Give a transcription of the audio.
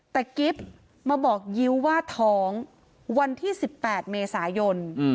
แต่กิ๊บมาบอกยิ้วว่าท้องวันที่๑๘เมษายน